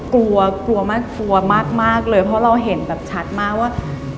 กลัวมากเลยเพราะเราเห็นแบบชัดมากว่า